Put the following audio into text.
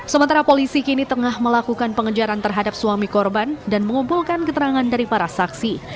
sementara polisi kini tengah melakukan pengejaran terhadap suami korban dan mengumpulkan keterangan dari para saksi